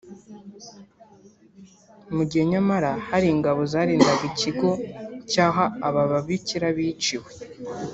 mu gihe nyamara hari ingabo zarindaga ikigo cy’aho aba babikira biciwe